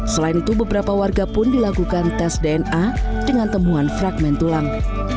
selain itu beberapa warga pun dilakukan tes dna dengan temuan fragment tulang